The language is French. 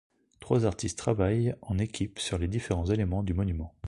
Trois artistes travaillent en équipe sur les différents éléments du monument.